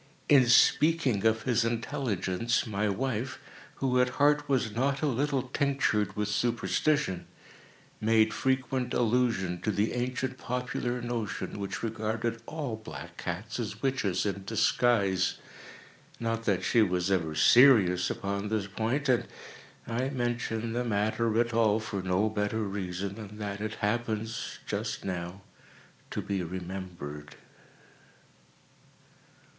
In speaking of his intelligence, my wife, who at heart was not a little tinctured with superstition, made frequent allusion to the ancient popular notion, which regarded all black cats as witches in disguise. Not that she was ever serious upon this point—and I mention the matter at all for no better reason than that it happens, just now, to be remembered.